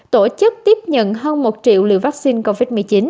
tổ chức tiếp nhận hơn một triệu liều vaccine covid một mươi chín